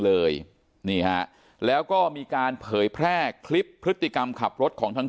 เลยนี่ฮะแล้วก็มีการเผยแพร่คลิปพฤติกรรมขับรถของทั้ง